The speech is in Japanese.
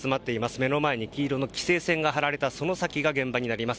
目の前に黄色の規制線が張られたその先が現場になります。